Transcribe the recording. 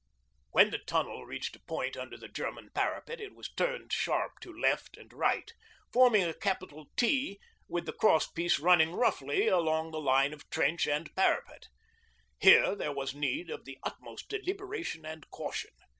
When the tunnel reached a point under the German parapet it was turned sharp to left and right, forming a capital T with the cross piece running roughly along the line of trench and parapet. Here there was need of the utmost deliberation and caution.